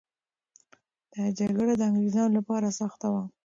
دا جګړه د انګریزانو لپاره سخته وه.